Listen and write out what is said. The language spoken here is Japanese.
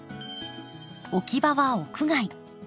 置き場は屋外。